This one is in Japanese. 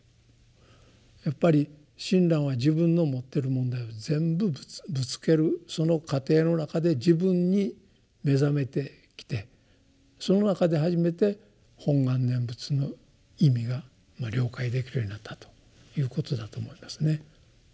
やっぱり親鸞は自分の持ってる問題を全部ぶつけるその過程の中で自分に目覚めてきてその中で初めて本願念仏の意味が了解できるようになったということだと思いますね。